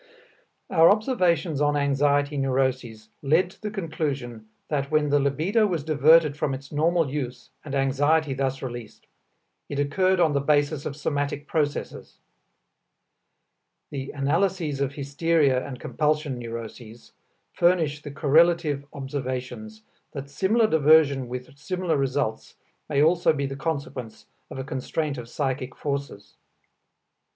Our observations on anxiety neuroses led to the conclusion that when the libido was diverted from its normal use and anxiety thus released, it occurred on the basis of somatic processes. The analyses of hysteria and compulsion neuroses furnish the correlative observations that similar diversion with similar results may also be the consequence of a constraint of psychic forces.